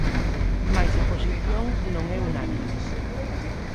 Mais a posición non é unánime.